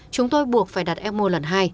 chúng tôi buộc phải đặt ecmo lần hai